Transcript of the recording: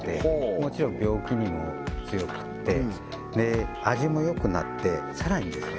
もちろん病気にも強くてで味もよくなってさらにですね